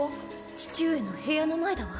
父上の部屋の前だわ。